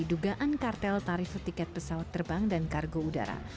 dugaan kartel tarif tiket pesawat terbang dan kargo udara